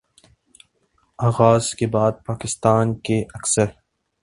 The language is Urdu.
آغاز کے بعد پاکستان کے اکثر